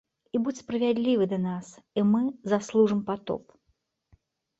І будзь справядлівы да нас, і мы заслужым патоп.